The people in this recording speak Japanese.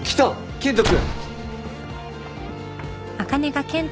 健人君。